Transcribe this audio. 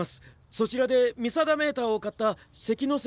そちらで見定メーターを買った関ノ瀬